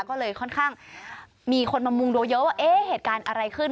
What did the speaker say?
ก็เลยค่อนข้างมีคนมามุงดูเยอะว่าเอ๊ะเหตุการณ์อะไรขึ้น